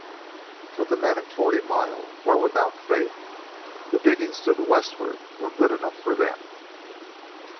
But the men of Forty Mile were without faith. The diggings to the westward were good enough for them.